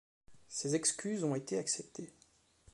Ses excuses ont été acceptées.